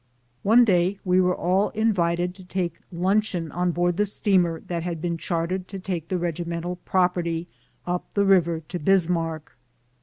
One day we were all invited to take luncheon on board the steamer that had been chartered to take the regimental property up the river to Bismarck.